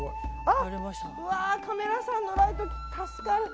カメラさんのライト、助かる。